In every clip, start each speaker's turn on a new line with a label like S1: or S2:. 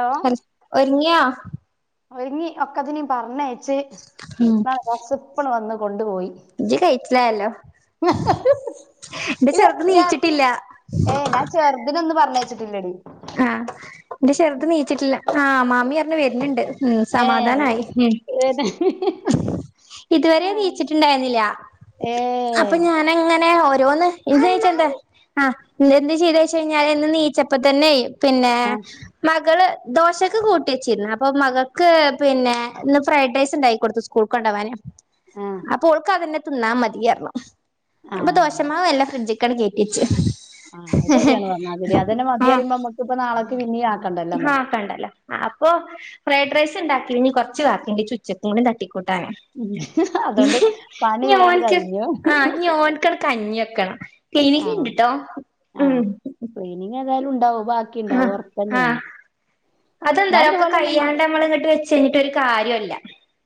S1: Hello
S2: ഒര് ഒരിങ്ങിയാ
S1: ഒരുങ്ങി ഒക്കതിനേം പറഞ്ഞേ ച് [unintelligible] വന്ന് കൊണ്ട് പോയി
S2: ഇജ്ജ് കഴിച്ചിലായല്ലോ എന്റെ
S1: ഇല്ല
S2: ചെറുത്
S1: ചേർ
S2: നീച്ചിട്ടില്ല
S1: ഏ നാൻ ചെറുദിനൊന്ന് പറഞ്ഞേ ച്ചിട്ടില്ലടി
S2: ആഹ് എന്റെ ചെറുത് നീയിച്ചിട്ടില്ല ആഹ് മാമി എറങ്ങി വരുന്നുണ്ട് ഉം
S1: ഏഹ്
S2: സമാധാനായി മ്ം
S1: ഏത്
S2: ഇതുവരെ നീച്ചിട്ടുണ്ടായിരുന്നില്ല അപ്പൊ
S1: ഏഹ്
S2: ഞാനങ്ങനെ ഓ റ്റോന്ന് ഇനീച്ചണ്ട ആഹ് ഇന്ന് എന്ത് ചെയ്ത് കഴിച്ച് കഴിഞ്ഞാല് ന്ന് നീച്ചപ്പ തന്നെയും പിന്നെ
S1: ആഹ്
S2: മകള് ദോശക്കെ കൂട്ടി വച്ചിരുന്ന അപ്പൊ മകക്ക് പിന്നെ ഇന്ന് ഫ്രൈഡ് റൈസ് ഇണ്ടാക്കി കൊടുത്തു സ്കൂൾ കൊണ്ടാവാന്
S1: ആഹ്
S2: അപ്പോ ഓൾക്ക് അതിനെ തിന്നാ മതിയാരുന്നു അപ്പൊ
S1: ആഹ്
S2: ദോശമാവ് എല്ലാം ഫ്രിഡ്ജ് കട് കേറ്റിവച്ച്
S1: ആഹ് അത് ശരിയാണ് പറഞ്ഞേ അത് രെ
S2: ആഹ്
S1: [unintelligible] [unintelligible] നമുക്കിപ്പ നാളെക്ക് പിന്നയും ആക്കണ്ടല്ല എന്ന
S2: ആഹ് കണ്ടല്ലോ അപ്പൊ ഫ്രൈഡ് റൈസ് ഇണ്ടാക്കി ഇനി കൊറച്ച് വാക്കിണ്ട് ചുച്ചക്കും കൂടി തട്ടി കൂട്ടാനാ
S1: അതോണ്ട് പണി
S2: ഇനി
S1: വേഗണ്ട്
S2: ഓനിക്ക്
S1: കഴിഞ്ഞു
S2: ആ ഇനി ഓനിക്കെട് കഞ്ഞി വെക്കണം ക്ലിനക്ക്
S1: ആഹ്
S2: ഇണ്ടിട്ടോ ഉം
S1: ന്താലും ഉണ്ടാവും ബാക്കിണ്ടാവും ഉറപ്പ് ന്നെയാണ്
S2: അതെന്താരൊ ഒക്കെ കയ്യാണ്ട് നമ്മള ഇങ്ങട്ട് വച്ച് കഴിഞ്ഞിട്ട് ഒരു കാര്യോല്ല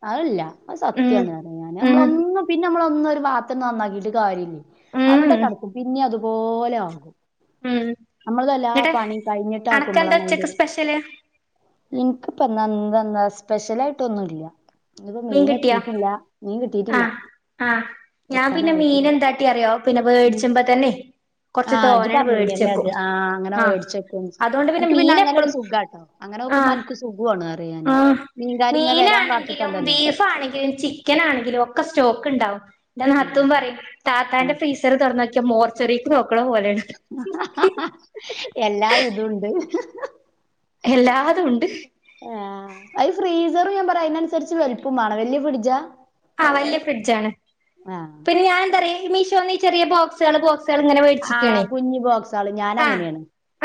S1: അതല്ല അത് സത്യന്ന് പറ ഞാന്
S2: ഉം
S1: നമ്മളൊന്ന് പിന്നെ നമ്മള ഒന്നും ഒരു വാത്തംന്ന നന്നാക്കിയിട്ട് കാര്യല്ല
S2: ഉം
S1: അവിടെ കടക്കും പിന്നെ അത് പോലെ ആകും
S2: ഉം
S1: നമ്മളതെല്ലാ
S2: ഇന്നട്ട്
S1: പണിയും
S2: അണക്കെന്താ
S1: കഴിഞ്ഞിട്ടാക്കുമ്പളാണ്
S2: ഉച്ചക്ക്
S1: അതിന്റെത്
S2: സ്പെഷ്യല്
S1: എനക്കിപ്പ എന്താ [unintelligible] സ്പെഷ്യലായിട്ടൊന്നുല്ല്യ
S2: മീൻ കിട്ടിയ ആ
S1: കിട്ടിയിട്ടില്ല
S2: ആ ഞാൻ പിന്നെ മീൻ എന്താട്ടി അറിയോ പിന്നെ
S1: ഉ
S2: വേടിച്ചുമ്പോ തന്നെ
S1: ആ
S2: കൊറച്ച്
S1: അജ
S2: തോനെയാണ്
S1: പറഞ്ഞനല്ലേ അത്
S2: വേടിച്ചെക്കും
S1: ആ അങ്ങനെ
S2: ആഹ്
S1: മേടിച്ചക്കും
S2: അതുകൊണ്ട്
S1: എനിക്ക് പിന്നെ
S2: മീൻ
S1: അങ്ങനെ ഒരു
S2: എപ്പളും
S1: സുഖാട്ടോ അങ്ങനെ നോക്കുമ്പോ
S2: ആഹ്
S1: എനിക്ക് സുഖോണ് അറിയൻ മീൻകരിങ്ങെ വരാൻ കാത്തക്കണ്ട
S2: ബീഫ് ആണെങ്കിലും ചിക്കൻ ആണെങ്കിലും ഒക്കെ സ്റ്റോക്ക് ഇണ്ടാവും ന്റെ
S1: ആ
S2: നാത്തുൻ പറയും താത്താന്റെ ഫ്രീസറ് തൊറന്നോ മോർച്ചറിക്ക്നോ
S1: എല്ലാ ഇതുണ്ട്
S2: എല്ലാതുണ്ട്
S1: ആഹ് അത് ഫ്രീസറ് ഞാൻ പറയാ അയ്നനുസരിച്ച് വലുപ്പം വേണം വല്യ ഫിഡ്ജാ
S2: ആഹ് വല്യ ഫ്രിഡ്ജാണ് പിന്നെ ഞാന എന്താ പറയാ മീഷോന്ന് ചെറിയ ബോക്സ് കള് ബോക്സ് ങ്ങനെ
S1: ആഹ് കുഞ്ഞ് ബോക്സാള്
S2: മേടിച്ചിക്കാണേആ
S1: ഞാനങ്ങനെയാണ്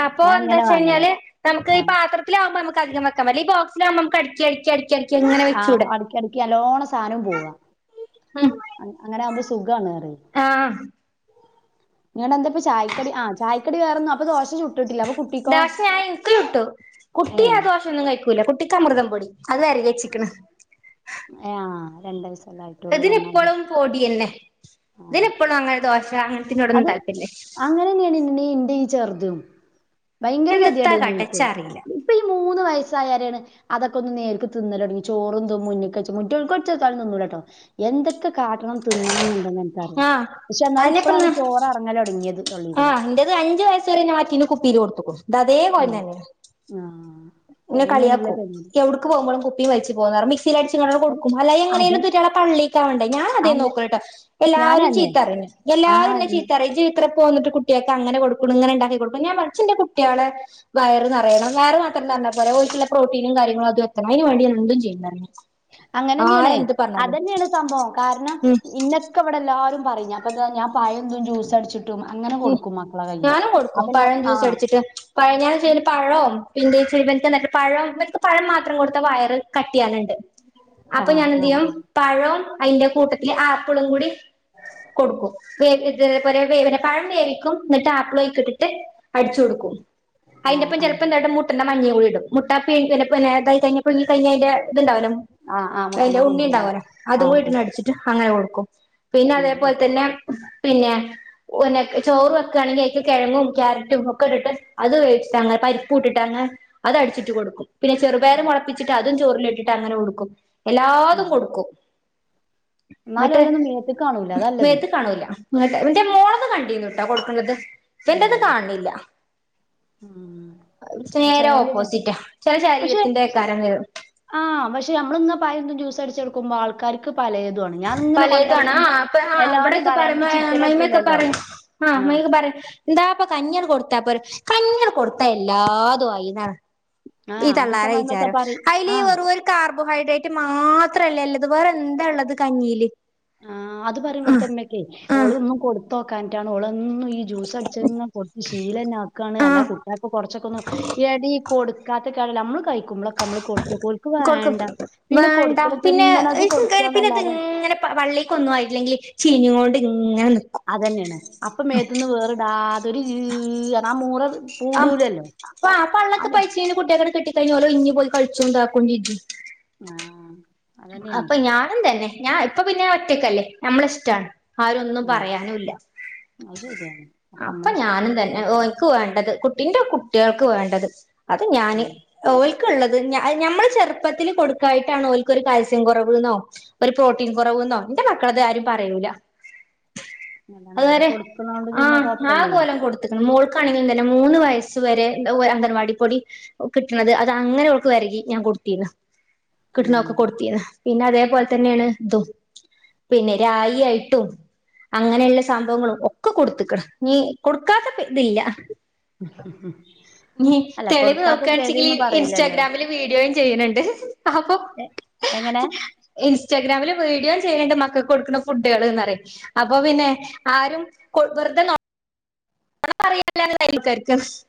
S2: അപ്പൊ
S1: ഞാൻ
S2: എന്താ
S1: അങ്ങനെ
S2: വെച്ച
S1: വാങ്ങലാ
S2: കഴിഞ്ഞാല് നമുക്ക് ഈ
S1: ആഹ്
S2: പാത്രത്തിലകുമ്പോ നമുക്ക് അധികംവെക്കാൻ പറ്റില്ല ഈബോക് സിലാകുമ്പോ നമുക്ക് അടക്കി അടക്കി അടക്കി അങ്ങനെ
S1: ആഹ്
S2: വെച്ചൂടെ
S1: അടക്കിടക്കി അല്ലോണ സാധനം പോവഅങ്ങനെ ആകുമ്പോ സുഖാണ്
S2: ആ
S1: നിഞടെ എന്താപ്പ ചായക്കടി ആ ചായക്കടി വേറന്ന ദോശ ചു
S2: ദോശ ഞാൻ എനിക്കു ചുട്ടു
S1: ഏഹ്
S2: കുട്ടിഅദോശ ഒന്നും കഴിക്കൂല കുട്ടിക്ക് അമൃതം പൊടി അതഅരിഞ്ഞ് വെച്ചിരിക്കുന്നു
S1: ആ രണ്ടസ
S2: അതിനിപ്പോളും പൊടി തന്നെ.
S1: ആഹ്
S2: ഇതിനിപ്പോഴും അങ്ങനെ ദോശ അങ്ങനത്തിനോടൊന്നും
S1: അത്
S2: താല്പര്യല്ല
S1: അങ്ങനെന്നെയാണ് ഇ ഇന്റെഈ ചെർതും ഭയങ്കര
S2: എന്ത്ത്താ കാട്ടാ
S1: ഗതികേടായിരുന്നുഎനിക്ക്
S2: ഇച്ച് അറിയില്ല
S1: ഇപ്പൊ ഈ മൂന്ന് വയസ്സായരെയാണ് അതൊക്കെ നേരിക്ക്തിന്ന ല് തുടങ്ങിചോറും മുന്നിക്ക് വച്ച കുട്ടിയോക്ക് വച്ചാ തിന്നൂലാട്ടോ എന്തൊക്കെ കാട്ടണം തിന്നണം എന്നുണ്ടെങ്കിൽ എനിക്ക അറിയോ
S2: ആഹ്
S1: പക്ഷെ എന്നാലും ഇപ്പോഴാണ് ചോറ് എറങ്ങല് തുടങ്ങിയത്
S2: ആ എൻന്റെത് അഞ്ച് വയസ് വരെ മാറ്റ തീരി കൊടുത്തുക്കണു ഇ അതേ കോലം
S1: ഉം
S2: തന്നെ
S1: ആഹ്
S2: എന്നെ
S1: അതന്നേണ്ല്ലേ
S2: കളിയാക്കും
S1: ഗതികേട്.
S2: എവിടക്ക് പോകുമ്പോഴും കുപ്പിയും വച്ച [unintelligible] [unintelligible] കൊടുക്കും അല്ല
S1: അതെ
S2: എങ്ങനെള [unintelligible] പള്ളി ചണ്ടേ ഞാൻ അതെ
S1: അങ്ങ
S2: നോക്കുള്ളൂകേട്ടോ എല്ലാരും
S1: ഞാനന്നെ
S2: ചീത്തറിഞ്ഞ എല്ലാരും എന്നെ
S1: ആഹ്
S2: ചീത്ത പറയും ചീത്ര പോന്നിട്ട് കുട്ടികൾക്ക്അങ്ങനെ കൊടുക്ക ഇങ്ങനെ ഉണ്ടാക്കി കൊടുക്കുക ഞാൻ പഠിച്ചന്റെ കുട്ടികളെ വയർ നിറയണം വേറെ നന്ന പോലെഓൾക്കുള്ള പ്രോട്ടീനും കാര്യങ്ങളും അത് എത്തണംഅതിന് വേണ്ടി ഞാൻ എന്തും ചെയ്യും താനെ
S1: അങ്ങനെന്നെയാണ് അതന്നെയാണ് സംഭവം കാരണം
S2: ഉം
S1: ഇന്നക്കെ ഇവിടെ എല്ലരും പറഞ്ഞ അപ്പ ഇ ഞാൻ പയ എന്തും ജൂസ് അടിച്ചിട്ട്
S2: ഉ ഞാനും കൊടുക്കും
S1: ഇന്നെ
S2: പഴം ജ്യൂസ്
S1: ആഹ്
S2: അടിച്ചിട്ട് പഴ ഞാൻ ചെയ്യ പഴവും പിന്നെ ച്ചിരി വനക്ക് എന്നിട്ട് പഴനക്ക് പഴം മാത്രം കൊടുത്ത വയറ് കട്ടി ആവണ്ട് അപ്പൊ
S1: ആഹ്
S2: ഞാൻ
S1: ആഹ്
S2: എന്ത് ചെയ്യാം
S1: ആഹ്
S2: പഴം അയിന്റെ കൂട്ടത്തില് ആപ്പിളും കൂടി കൊടുക്കും [unintelligible] വേവന പഴം വേവിക്കും എന്നട്ട് ആപ്ലോയ് ഇട്ടിട്ട് അടിച്ചു കൊടുക്കും
S1: ആഹ്
S2: അയിന്റെപ്പം
S1: ആഹ്
S2: ചിലപ്പോ മുട്ടൻ്റെ മഞ്ഞ കൂടി ഇടും മുട്ടാപ്പീ പിന്നെ പിന്നെത കഴിഞ്ഞപ്പഴഞ്ഞി കഴിഞ്ഞതിന്റെ ഇത്ണ്ടാവലോ
S1: ആഹ് ആഹ്
S2: അതിന്റെ
S1: മുട്ടന്റെ
S2: ഉണ്ണി
S1: കുഞ്ഞിനെ
S2: ഉണ്ടാവലോ
S1: ആഹ് ആഹ്
S2: അതുംകൂടിട്ടന്ന് അടിച്ചിട്ട് അങ്ങനെ കൊടുക്കും [unintelligible] പിന്നെ
S1: ഉം
S2: അതേപോൽ
S1: ഉം
S2: തന്നെ പിന്നെ ന്നെ ചോറ് വെക്കുകയാണെങ്കിൽ അയ്ക്ക് കിഴങ്ങും ക്യാരറ്റും ഒക്കെ ഇട്ടിട്ട് അത് വേവിചു അ പരിപ്പൂ ഇട്ടിട്ട് അങ് അത് അടിച്ചിട്ട് കൊടുക്കും പിന്നെ ചെറുപയർ മുളപ്പിച്ചിട്ട് അ അതും ചോറിലിട്ടിട്ട് അങ്ങനെ ഉടുക്കും എല്ലാതും
S1: ഉം.
S2: കൊടുക്കും
S1: എന്നാലും
S2: എന്നിട്ട്
S1: ഒല്ലന്നും മോത്ക്ക് കാണൂല അതല്ലത്
S2: [unintelligible] ന്റെ മോള് ഇപ്പോകണ്ടീന്നു ട്ടൊ കൊടുക്കുന്നത് ഇന്റെത്
S1: ആഹ്
S2: കാണ്ന്നില്ല
S1: ഉം
S2: നേര
S1: ചെലോല്
S2: ഓപ്പോസിറ്റാ ചില
S1: പക്ഷെ
S2: ശരീരത്തിന്റെക്കാരവും വേ-
S1: ആഹ് പക്ഷെ നമ്മളിങ്ങനെ പലതും ജ്യൂസ് അടിച്ചെടുക്ക് മ്പോ ആൾകാർക്ക്
S2: പലേതു അണ് ആ അപ്പ് ആ
S1: എല്ലാരും പറയാ അനക്ക് ചിറ്റല്
S2: അമ്മായി മൊക്കെ
S1: എത്തൂലല്ലോ
S2: പറയും ആ
S1: ആഹ്
S2: യൊക്കെ പറയും എന്താപ്പൊ കഞ്ഞിയെട് കൊടുത്താ പോ കഞ്ഞികൊടുത്ത എല്ലാതും ആയിന്ന ഈ
S1: ആഹ് ഇവിടുത്തെ അമ്മായിമ്മക്കെ
S2: തള്ളാരെവിചാരം
S1: പറയും
S2: അയിൽ
S1: ആഹ്
S2: വെറു ഒരു കാർബോ ഹൈഡ്രേറ്റ് മാ മാത്രല്ല ഇത് വേറെ എന്താ ഇള്ളത് കഞ്ഞിയില്
S1: ആ അത് പറയും ഇവിടുത്തെമ്മക്കെ
S2: ആ
S1: ഓള് ഒന്നും കൊടു തോക്കാഞ്ഞിട്ടാണ് ഓള് ഒന്നും ഈ ജ്യൂസ് അടിച്ച കൊടുത്ത് ശീലന ആക്കയാണ്
S2: ആ
S1: അല്ല കുട്ടിയക്ക് കൊറച്ചൊക്കെ എ ഇടി കൊടു- കാത്ത്ക്കാണെങ്കിലുംനമ്മള് കഴി നമ്മൾ ക കൊടുക്കു മ്പോളൊക്കെ നമ്മള് കൊടുത്തോക്കും ഒൽക്ക്
S2: കൊടുക്കും
S1: വേണ്ട പിന്നെ
S2: വേണ്ട
S1: കൊടുക്കണ പിന്നെ തിന്ന്ണത് കൊടുക്കാന്നല്ലാതെ
S2: വള്ളിക്ക് ഒന്നും ആയിറ്റില്ലങ്കിൽ ചീഞ്ഞോണ്ട്
S1: അതന്നെണ് അപ്പ മേത്ത്ന്ന് വേറ്ടാതെ- ഒര് ഇ്ഈ് റഞ്ഞ ആ മൂള
S2: ആ അപ്പ ആ പള്ളക്ക് പൈച്ചീന് കുട്ട്യാക്കാ കിട്ടി ക ട്ടി കയ്ഞ്ഞാ ഓല് ഒഴിഞ്പ്പോയി കള്ച്ചും ഇതാക്കും ചെജ്ജും.
S1: ആഹ് അതന്നെയാണേ
S2: അപ്പൊ ഞാനുംതന്നെ ഞാൻ ഇപ്പ പിന്നെ ഒറ്റക്കല്ലേ നമ്മളിഷ്ടാണ് ആരും ഒന്നും
S1: ആഹ്
S2: പറയാനുംല്ല
S1: അത് ശരിയാണ്
S2: അപ്പൊ
S1: നമ്മളെ ഇഷ്ടം
S2: ഞാനും
S1: പോലെ
S2: തന്നെ
S1: കാട്ടും
S2: ഓന്ക്ക് വേണ്ടത് കുട്ടി ഇന്റെ കുട്ടികൾ ഇക്ക് വേണ്ടത് അത് ഞാന്
S1: ഉം
S2: ഓല്- ക്ക് ള്ളത് ഞമ്മള് ചെറുപ്പത്തിൽ കൊടുക്കായിട്ടാണ് ഓൽ ഒരു കാൽസ്യം കൊറവ്ന്നോ ഒരു പ്രോട്ടീൻ കൊറവ്ന്നോ ഇന്റെ മക്കടത് ആരും പറയൂല
S1: അല്ല നമ്മള്
S2: അതുവരെ
S1: കൊടുക്കണോണ്ട്
S2: ആഹ്
S1: പിന്നെ
S2: ആ
S1: കൊഴപ്പല്ലേ
S2: നാകൊലം കൊടുത്ത്ക്ക്ണ് മോൾ ക്കാണെങ്കി തന്നെ മൂന്ന് വയസ്സ് വരെ അംഗൻവാടി പൊടി കിട്ടണത് അത് അങ്ങനെ അവൾക്ക് വേരികി ഞാൻ കൊടുത്തിന്ന് കിട്ടണൊക്ക്
S1: ഉം
S2: കൊടുത്തിന്ന് പിന്നെ അതേപോലെ തന്നെയാണ് ഇതും പിന്നെ രായി ആയിട്ടും അങ്ങനെയൊള്ള സംഭവങ്ങളും ഒക്കെ കൊടുത്ത്ക്ക്ണ് ഇനി കൊടുക്കാത്ത ഇതില്ല ഇനി
S1: അല്ല
S2: തെളിവ്
S1: കൊടുക്കാത്ത
S2: നോക്കുകാച്ചെങ്കില്
S1: പേര്ന്ന് പറയില്ലല്ലോ
S2: ഇൻസ്റ്റാഗ്രാമില് വീഡിയോ ചെയ്യാണ് ണ്ട് ആ പ്പൊ
S1: എങ്ങനെ
S2: ഇൻ ഇൻസ്റ്റാഗ്രാമില് വീഡിയോ ചെയ്യണ് ണ്ട് മക്കക്ക് കൊടുക്കുന്ന ഫുഡുകള്ന്ന് പറയും അപ്പൊ പിന്നെ ആരും കൊ വെറുതെ നോ നൊണ പറയ [unintelligible]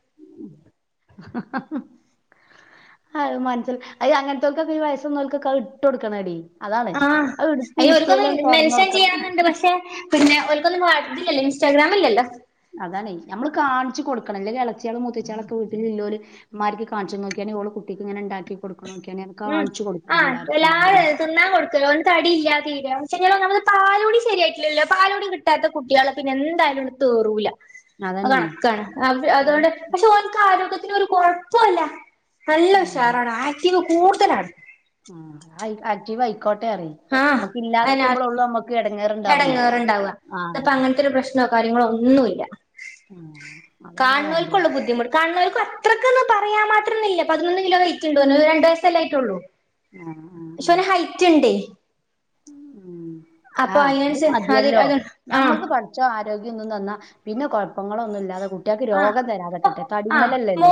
S1: അത് മനസ്സിൽ അത് അങ്ങനത്തേക്കൊക്കെ ഈ വയസുള്ളോർക്ക് ഇട്ട് കൊടുക്കണെടി അതാണ്
S2: ആഹ്
S1: അത് എടുത്ത്
S2: അയ്യോ അവരുക്കൊന്ന്
S1: ഇൻസ്റ്റയിലൊന്ന് തൊറന്ന്
S2: മെൻഷൻ
S1: കൊടുക്കണം
S2: ചെയ്യണന്നുണ്ട് പക്ഷെ പിന്നെ ഒ രുക്കൊന്നും വാ ഇതില്ലല്ലോ ഇൻസ്റ്റാഗ്രാമില്ലല്ലോ
S1: അതാണെ നമ്മള് കാണിച്ചു കൊടുക്കണം ഇല്ലെങ്കി ഇളയിച്ചയാളും മുത്തച്ചിയാളൊക്കെ വീട്ടിൽ ഉള്ളൊരു ഉമ്മാര്ക്ക് കാണിച്ച് നോക്കിയാണങ്കി ഓള് കുട്ടിക്ക് ഇങ്ങനെ ഇണ്ടാക്കി കൊടു
S2: ഉം ആഹ് എല്ലാരും അതെ തിന്നാൻ കൊടുക്കല ഓൻ തടിയില്ലാ തീ [unintelligible] പാലുകുടി ശരിയായിട്ടില്ലല്ലോ പാലുകുടി കിട്ടാത്ത കുട്ടികളെ പിന്നെ എന്തായാലും തേറൂല
S1: അതന്നെയാണ്
S2: കണക്കാണ്
S1: അത്.
S2: അതുകൊണ്ട് പക്ഷെ ഓൻക്ക് ആരോഗ്യ ത്തിന് ഒരു കൊഴപ്പോവില്ല നല്ല ഉഷാറാണ് ആക്റ്റീവ് കൂടുതലാണ്
S1: ഹൈ ആക്റ്റീവ് ആയി ക്കോട്ടെ [unintelligible] നമ്മക്ക് ഇല്ലാതിക്കുമ്പോഴെ ഒള്ളൂ നമ്മക്ക് ഏടങ്കേ
S2: എടങ്ങാറുണ്ടാവുക ഇതിപ്പൊ അങ്ങനത്തെ ഒരു പ്രശ്നോ കാര്യങ്ങളോ ഒന്നൂവില്ല
S1: ആഹ് അതന്നെയാ വേണ്ടത്
S2: കാണുന്നോൾക്കുള്ളൂ ബുദ്ധിമുട്ട് കാണു അത്രക്ക് ഒന്ന് പറയാൻ മാത്രമൊന്നില്ല പതിനൊന്ന് കിലോ വെയിറ്റുണ്ട് ഓന് രണ്ട് വയസല്ലേ ആയിട്ടുള്ളൂ
S1: ആഹ് ആഹ്
S2: പക്ഷെ
S1: ആഹ്
S2: ഓന് ഹൈറ്റ് ഇണ്ടേ
S1: ഉം
S2: അപ്പൊ
S1: ആഹ് അത്
S2: അതിനനുസരിച്ച് അത്
S1: മതിയല്ലോ
S2: അത് ആഹ്
S1: ഞമ്മക്ക് പടച്ചോൻ ആദ്യ ആരോഗ്യം ഒന്ന് നന്നാ പിന്നെ കുഴപ്പങ്ങളൊന്നും ഇല്ലാതെ കുട്ടികൾക്ക്
S2: ആഹ്
S1: രോഗം
S2: ഇപ്പൊ
S1: തരാതിരിക്കട്ടെ [unintelligible]
S2: ആഹ്
S1: മേലല്ലേ അത്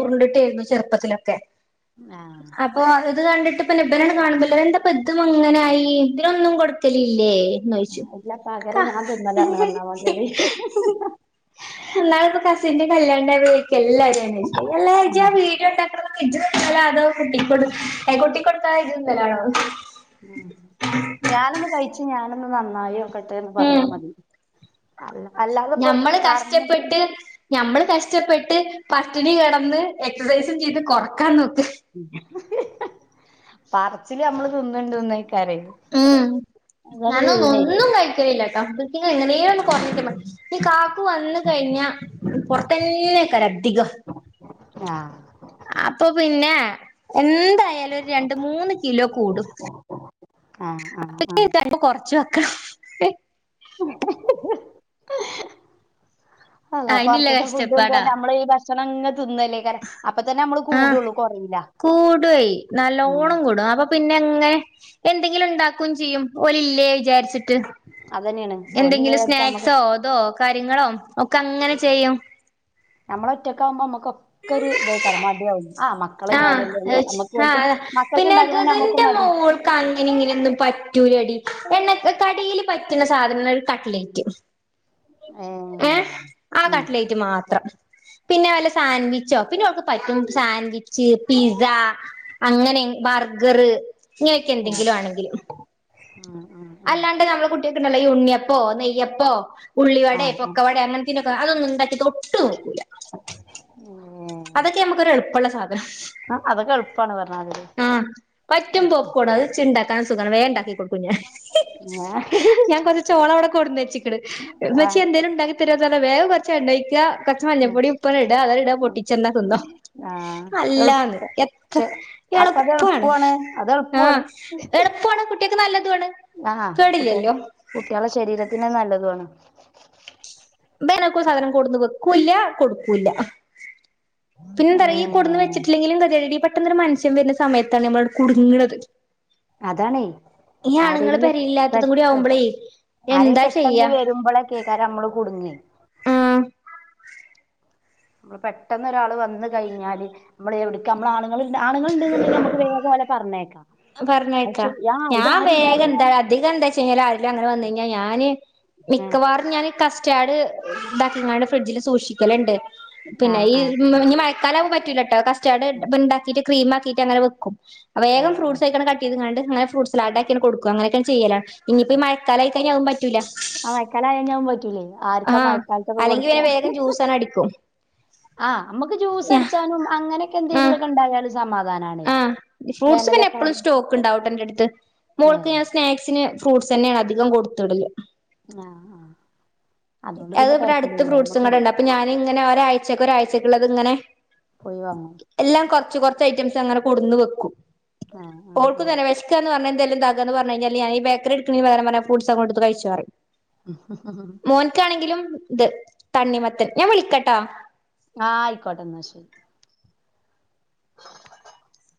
S2: ഉരുണ്ടിട്ടെയിരുന്നു ചെറുപ്പത്തിലൊക്കെ
S1: ആഹ്
S2: അപ്പൊ ഇത് കണ്ടിട്ട് [unintelligible] കാണുമ്പോ ഇതെന്താ ഇപ്പ ഇതും ഇങ്ങനെ ആയി ഇതിനൊന്നും കൊടുക്കലില്ലേ ന്ന് ചോയിച്ചു
S1: ഇല്ല
S2: ക
S1: പകരം ഞാൻ തിന്നലാണ് പറഞ്ഞാ മതിയെടി
S2: ഇന്നാളിപ്പോ കസിന്റെ കല്ല്യാ [unintelligible] ക്കെ എല്ലാരും അന്വേശിക്കാ ഈ എല്ലാ ആഴ്ച ആ വീഡിയോ എടുത്തയക്കണത് ഇജ്ജ്‌ തിന്നലാണോ കുട്ടിക്ക്‌ കൊടു ഏഹ് കുട്ടിക്ക്‌ കൊടുക്കാതെ ഇജ്ജ് തിന്നലാണോന്ന്
S1: ഉം ഞാനൊന്ന് കഴിച്ച് ഞാനൊ നന്നായി ക്കൊട്ടേന്ന്
S2: ഉം
S1: പറന്നാമതി അല്ല അല്ലാതെപ്പോ
S2: ഞമ്മള്
S1: പറഞ്ഞിട്ട്
S2: കഷ്ട്ടപ്പെട്ട് ഞമ്മള് കഷ്ട്ടപ്പെട്ട് പട്ടിണി കെടന്ന് എക്സസൈസും ചെയ്ത് കൊറക്കാൻ നോക്ക്
S1: പറച്ചില് ഞമ്മള് തിന്ന്ണ്ട്ന്നേ
S2: ഉം നാനൊന്നും
S1: ചെയ്യണേ
S2: ഒന്നും കഴിക്കലില്ലട്ടൊ വീട്ടി എങ്ങനേലും ഒന്നു കൊറഞ്ഞു കിട്ടിയ മതി ഈ കാക്കു വന്ന് കഴിഞ്ഞ പൊറത്തെക്കാരാ അധികം
S1: ആഹ്
S2: അപ്പൊ പിന്നെ എൻ എന്തായാലും രണ്ട്, മൂന്ന് കിലോ കൂടു
S1: ആഹ് ആഹ്
S2: അപ്പെക്കും ഈ
S1: ആഹ്
S2: തടി കൊറച് വെ എ
S1: അള്ളാ
S2: അയിനില്ല
S1: പൊറത്ത്തെ ഫുഡും തന്നെ
S2: കഷ്ടപ്പാടാ
S1: ഞമ്മളീ ഭശ് ചെനങ്ങ് തിന്നല്ലേ ക്കാരം അപ്പതന്നെ ഞമ്മള്
S2: ആഹ്
S1: കൂടൊള്ളൂ കൊറീല
S2: കൂടുവെയ്
S1: ആഹ്
S2: ങ്ങനെ എന്തെങ്കിലും ഇണ്ടാക്കും ചെയ്യും ഓലില്ലേ വിചാരിച്ചി ട്ട്
S1: അതന്നെയാണ്
S2: എന്തെങ്കിലും
S1: ഓലില്ലാച്ചാ നമ്മക്ക്
S2: സ്നാക്സോ അതോ കാര്യങ്ങളോ ഒക്കങ്ങനെ ചെയ്യും
S1: ഞമ്മള് ഒറ്റക്കാവുമ്പൊ മ്മക്കൊക്കൊരു ഇത്
S2: ആഹ് ആഹ് ച്
S1: നമ്മക്ക് ഓൽക്ക്
S2: ആഹ്
S1: മക്കക്ക്
S2: പിന്നെ ഇത്
S1: ഇണ്ടാക്കണന്നെ നമ്മക്കും
S2: ഇദിന്റെ
S1: മതി
S2: മോൾക്ക് അങ്ങനെ ഇങ്ങനെ ഒന്നും പറ്റൂലടി എണ്ണ കടീല് പറ്റ്ണ സാധനങ്ങള് കട്ട്ലയ്റ്റ്
S1: ഏ
S2: ഏഹ് ആഹ്
S1: ആ
S2: കട്ട്ലയ്റ്റ് മാത്രം പിന്നെ വല്ല സാൻവിച്ചോ പിന്നെ ഓക്ക് പറ്റും സാൻവിച്ച്, പിസ അങ്ങനെ ബർഗറ്
S1: ആ
S2: ഇങ്ങനെക്കെന്തെങ്കിലു ആണെങ്കില്
S1: ഉം ഉം ഉം
S2: അല്ലാണ്ട് നമ്മള് കുട്ടേ ല്ലോ ഉണ്യപ്പോ നെയ്യപ്പോ
S1: ആ
S2: ഉള്ളിവടേ
S1: ആ
S2: പൊക്കവടേ അങ്ങന് ത്തീനൊ അതൊന്നും ഇണ്ടാക്കി തൊട്ട് നോ
S1: ഉം
S2: അതൊക്കെ നമക്കൊരു എളുപ്പമുള്ള സാധനം
S1: ആ അതൊക്കെ എളുപ്പാണ് പറഞ്ഞാതിരി
S2: ആ പറ്റും പോക്കോണ് അത് ചിണ്ടാക്കാനും സുഖമാണ് വേണ്ടാക്കി കൊടുക്കും ഞാൻ ഞാൻ കൊറച്ച് ചോളവിടെ കൊട്ന്നെച്ച് ണ് ന്ന്
S1: ആ
S2: വെച്ച എന്തായാലും ഉണ്ടാക് തരുഓന്നർഞ്ഞ വേ കൊർച്ചെണ്ണൊയ്ക്ക പച്ചമഞ്ഞ
S1: ഉം
S2: പൊടി ഉപ്പണ്ട അതടാപൊ
S1: ആ
S2: [unintelligible] അല്ലാന്ന്
S1: എളുപ്പ
S2: എത്ര
S1: പക്ഷെ അപ്പ അത്
S2: എളുപ്പാണ്
S1: എളുപ്പുവാണ് അത്
S2: ആ
S1: എളുപ്പുവാണ്
S2: എളുപ്പാണ് കുട്ടിയേക്ക് നല്ലതുആണ് കേടില്ലല്ലോ
S1: രത്തിന നല്ലതുആണ്
S2: ബനക്ക സാനം കൊടുന്നു വെ ക്കൂല്ല കൊടുക്കൂല്ല പിന്നെ എന്താറിയൊ ഈ കൊടുന്ന്
S1: ഉം
S2: വെച്ചിട്ടില്ലെങ്കിലും ഗതിയെടാണെ പെട്ടെന്നൊരു മൻഷ്യം വരുന്ന സമയത്താണ് നമ്മളട് കുട്ങ്ണത്
S1: അതാണേ ആരെങ്കിലും പെട്ട ആരെ
S2: എന്താ
S1: പെട്ടെന്ന്
S2: ചെയ്യാ
S1: വരുമ്പളൊക്കേക്കാരമ്മള് കുട്ങ്ങെ
S2: ആ
S1: [inaudible] പെട്ടെന്നൊരാള് വന്ന് കഴിഞ്ഞാല് മ്മള് എവിടക്ക നമ്മള ആണ്‌ങ്ങള് ണ്ട് ആണ്ങ്ങള്ണ്ട്ന്ന്ണ്ടെങ്കി നമക്ക് വേഗോല പറഞ്ഞേക്ക
S2: പറഞ്ഞേക്കാ ഞാൻ വേഗം എന്താ അധികം എന്താ ചെയാൽ ആരിലും അങ്ങനെ വന്ന കഴിഞ്ഞാൽ ഞാന്
S1: ആ
S2: മിക്കവാറും ഞാൻ കസ്റ്റാഡ് ണ്ടാക്കിങ്ങണ്ട് ഫ്രിഡ്ജില് സൂക്ഷിക്കലണ്ട്
S1: ആ
S2: പിന്നെ ഈ
S1: ആ
S2: ഞ്ഞ് മഴക്കാലാവുമ്പൊ പ റ്റൂലട്ടോ കസ് ചാട ബണ്ടാക്കിറ്റ് ക്രീമാക്കീട്ടങ്ങന വെക്കും
S1: ആ
S2: വേഗം ഫ്രൂട്സ് [unintelligible] കട്ടയ്ത്ങ്ങാണ്ട് അങ്ങനെ ഫ്രൂട്സലാടാക്കിയണ്ട് കൊട്ക്കു അങ്ങനൊക്കെ ചെയ്യലാ ഇനിപ്പോ മയക്കാലായിക്കയിഞ്ഞാ അഉം പ
S1: ആ മയക്കാലം ആയ ഞഉം പറ്റൂലല്ലോ ആർക്കാ
S2: ആഹ്
S1: മയക്കാലത്തൊക്കെ
S2: അല്ലെങ്കി പിന്നെ
S1: കൊടുക്കഹ്
S2: വേഗം
S1: ഹ്
S2: ജ്യൂസാണ് അടിക്കും
S1: ഹ്ആ അമ്മക്ക് ജ്യൂസ് അട്ച്ചാനും അങ്ങനെ എന്തേങ്കിലൊക്കെണ്ടായാലും
S2: ആ ഫ്രൂട്ട്സ് പിന്നെ എപ്പളും സ്റ്റോക്ക്ണ്ടാവുട്ടൊന്റെട്ത്ത്
S1: ഏ
S2: മോൾക്ക് ഞാൻ സ്നാക്സിന് ഫ്രൂട്ട്സന്നെയാണ് അധികം കൊട്ത്ത്ടല്
S1: ആഹ് ആഹ്
S2: ഏതോ പിന്നെ അടുത്ത് ഫ്രൂട്ട്സും കടണ്ട് അപ്പൊ ഞാനിങ്ങനെ ഒരാഴ്ച്ചക്ക്ക്കൊരാഴ്ചക്കുള്ളത്ങ്ങനെ
S1: പോയി വാങ്ങാം
S2: എല്ലാം കൊറ് ച്ച് കൊർച്ച് ഐറ്റംസ് അങ്ങെ കൊടുന്ന് വെക്കും
S1: ആ ആ ആ
S2: ഓൾക്കും തന്നെ വെഷക്ക എന്ന് പറഞ്ഞ ന്തേലും താ താന്ന് പറഞ്ഞഴിഞ്ഞാല് ഞാ ഈ ബേക്കറിയെട്ക്ക്‌ണേന് പകരം പറഞ്ഞ ഫ്രൂട്സങ്ങോട്ത് കഴിച്ചോറിം
S1: മ് ഹ് ഹ്
S2: മോൻക്കാണെങ്കിലും ഇത് തണ്ണിമത്തൻ ഞാൻ വിളിക്കട്ടാ
S1: ആഹ് ആയിക്കോട്ടെന്നാ ശെരി [inaudible]